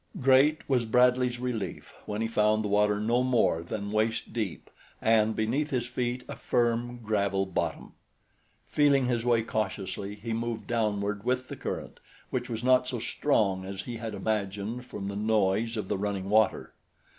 Great was Bradley's relief when he found the water no more than waist deep and beneath his feet a firm, gravel bottom. Feeling his way cautiously he moved downward with the current, which was not so strong as he had imagined from the noise of the running water.